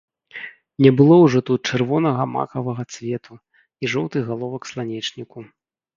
Не было ўжо тут чырвонага макавага цвету і жоўтых галовак сланечніку.